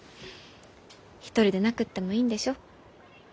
一人でなくってもいいんでしょ？